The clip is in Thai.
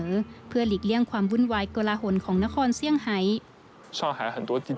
อีกเรื่องความวุ่นวายกละหละหลนของนครเชี่ยงไหย